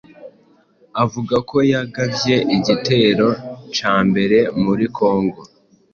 ivuga ko yagavye igitero ca mbere muri Kongo